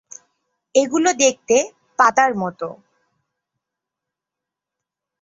এগুলো দেখতে পাতার মত।